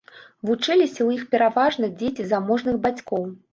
Вучыліся ў іх пераважна дзеці заможных бацькоў.